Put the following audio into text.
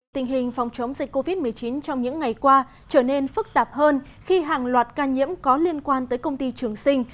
tình hình phòng chống dịch covid một mươi chín trong những ngày qua trở nên phức tạp hơn khi hàng loạt ca nhiễm có liên quan tới công ty trường sinh